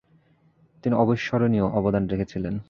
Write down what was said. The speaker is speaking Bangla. তিনি অবিস্মরণীয় অবদান রেখেছিলেন।